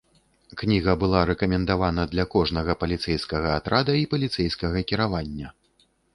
Кніга была рэкамендавана для кожнага паліцэйскага атрада і паліцэйскага кіравання.